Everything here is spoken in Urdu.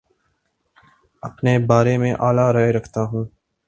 اپنے بارے میں اعلی رائے رکھتا ہوں